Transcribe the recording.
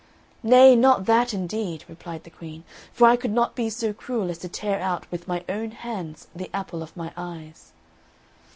"Nay, not that, indeed," replied the Queen; "for I could not be so cruel as to tear out with my own hands the apple of my eyes."